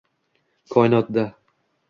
Koinotda